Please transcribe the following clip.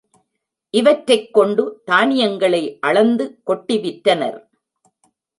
இவற்றைக் கொண்டு தானியங் களை அளந்து கொட்டி விற்றனர்.